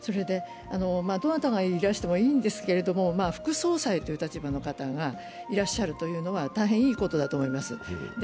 どなたがいらしてもいいんですけども、副総裁の立場の方がいらっしゃるのは大変いいことだと思います。